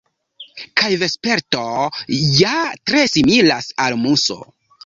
Kaj vesperto ja tre similas al muso.